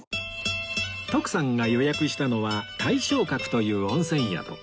徳さんが予約したのは大松閣という温泉宿